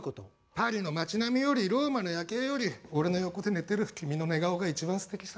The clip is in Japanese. パリの町並みよりローマの夜景より俺の横で寝てる君の寝顔が一番すてきさ。